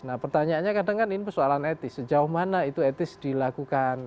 nah pertanyaannya kadang kan ini persoalan etis sejauh mana itu etis dilakukan